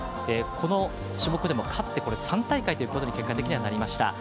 この種目でも、勝って３大会連続ということに結果的にはなりました。